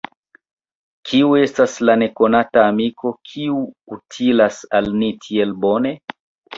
Kiu estas la nekonata amiko, kiu utilas al ni tiel bone?